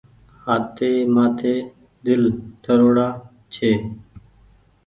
هآتيم دل ٺرو ڙآ ڇي۔